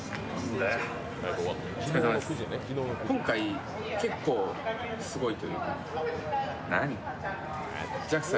今回、結構すごいというか。